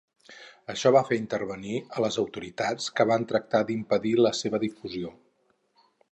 Això va fer intervenir a les autoritats que van tractar d'impedir la seva difusió.